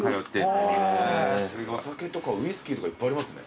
お酒とかウイスキーとかいっぱいありますね。